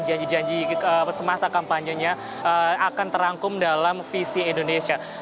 janji janji semasa kampanyenya akan terangkum dalam visi indonesia